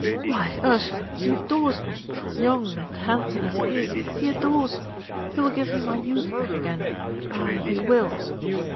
Why, Ursula, he adores me; young and handsome as he is, he adores me. He will give me my youth back again, ay, he will."